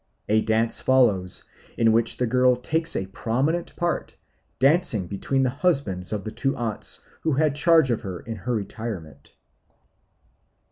A dance follows, in which the girl takes a prominent part, dancing between the husbands of the two aunts who had charge of her in her retirement.